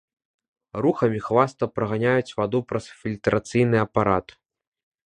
Рухамі хваста праганяюць ваду праз фільтрацыйны апарат.